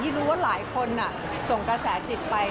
รู้ว่าหลายคนส่งกระแสจิตไป